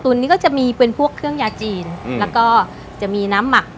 นี้ก็จะมีเป็นพวกเครื่องยาจีนแล้วก็จะมีน้ำหมัก